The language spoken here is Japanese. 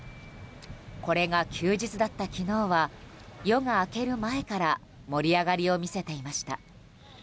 これが休日だった昨日は夜が明ける前から盛り上がりを見せていました。